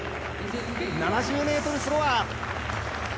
７０ｍフロア。